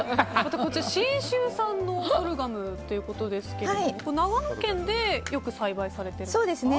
信州産のソルガムということですが長野県でよく栽培されているんですか？